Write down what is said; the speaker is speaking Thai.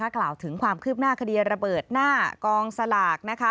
กล่าวถึงความคืบหน้าคดีระเบิดหน้ากองสลาก